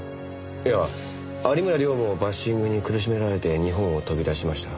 いや有村亮もバッシングに苦しめられて日本を飛び出しました。